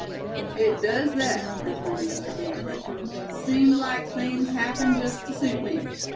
"It does thet," returned the other, eagerly. "Seems like things happened jest tew suit me.